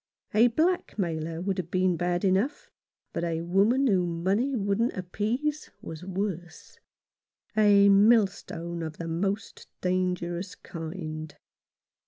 A blackmailer would have been bad enough, but a woman whom money wouldn't appease was worse — a millstone of the most dangerous kind.